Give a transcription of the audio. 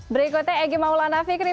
berikutnya egy maulana fikri